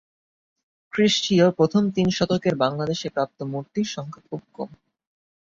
খ্রিস্টীয় প্রথম তিন শতকের বাংলাদেশে প্রাপ্ত মূর্তির সংখ্যা খুব কম।